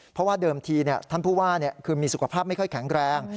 เพราะว่าเดิมทีท่านผู้ว่าคือมีสุขภาพไม่ค่อยแข็งแรง